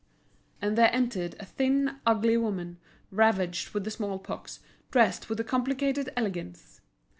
And there entered a thin, ugly woman, ravaged with the small pox, dressed with a complicated elegance.